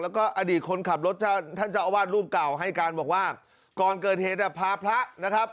แล้วก็อดีตคนขับรถท่านเจ้าอาวาสรูปเก่าให้การบอกว่าก่อนเกิดเหตุอ่ะพาพระนะครับ